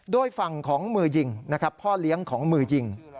โดยฝั่งของมือยิงนะครับพ่อเลี้ยงของมือยิง